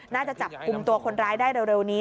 น่าจะจับกลุ่มตัวคนร้ายได้เร็วนี้